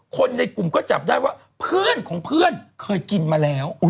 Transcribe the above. คนในกลุ่มก็จับได้ว่าเพื่อนของเพื่อนเคยกินมาแล้ว